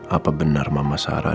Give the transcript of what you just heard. apa benar mama sarah